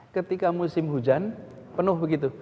ketika musim hujan penuh begitu